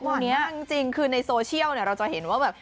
วันนี้จริงคือในโซเชียลเนี่ยเราจะเห็นว่าแบบ